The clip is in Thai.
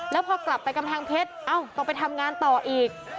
แล้วพอกลับไปกำแพงเพชรเอ้าต้องไปทำงานต่ออีก